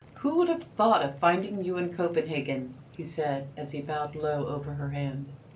Who would have thought of finding you in Copenhagen?" he said, as he bowed low over her hand.